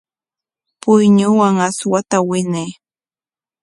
Puyñuman aswata winay.